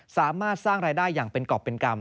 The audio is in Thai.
สามารถสร้างรายได้อย่างเป็นกรอบเป็นกรรม